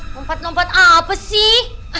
lompat lompat apa sih